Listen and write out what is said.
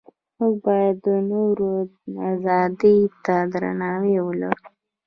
موږ باید د نورو ازادۍ ته درناوی ولرو.